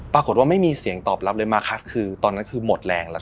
ปรากฏว่าไม่มีเสียงตอบรับเลยมาคัสคือตอนนั้นคือหมดแรงแล้ว